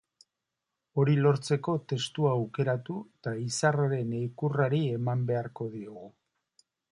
Hori lortzeko, testua aukeratu eta izarraren ikurrari eman beharko diogu.